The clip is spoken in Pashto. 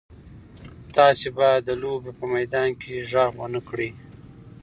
تاسي باید د لوبې په میدان کې غږ ونه کړئ.